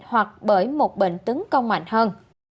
hoặc bởi một bệnh tấn công mạnh hơn